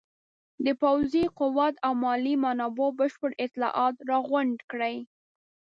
د پوځي قوت او مالي منابعو بشپړ اطلاعات راغونډ کړي.